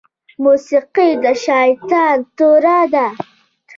موسيقي د شيطان توره ده